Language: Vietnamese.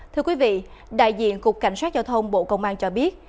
thưa quý vị đại diện cục cảnh sát giao thông bộ công an cho biết